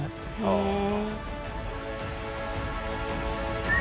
へえ。